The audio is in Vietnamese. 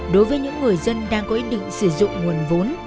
đối với những người dân đang có ý định sử dụng nguồn vốn